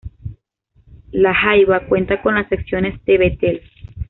La Jaiba, cuenta con las secciones de Bethel.